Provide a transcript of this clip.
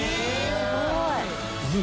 すごーい。